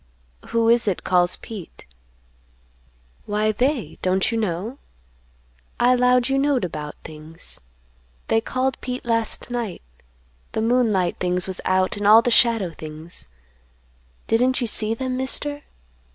"Who is it calls Pete?" "Why, they, don't you know? I 'lowed you knowed about things. They called Pete last night. The moonlight things was out, and all the shadow things; didn't you see them, Mister?